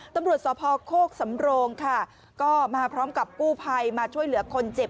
ตำรวจสพโคกสำโรงค่ะก็มาพร้อมกับกู้ภัยมาช่วยเหลือคนเจ็บ